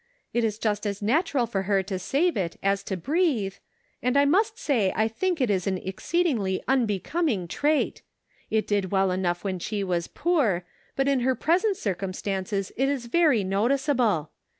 It is just as natural for her to save as it is to breathe, and I must say I think it is an ex ceedingly unbecoming trait ; it did well enough when she was poor, but in her present cir cumstances it is very noticeable.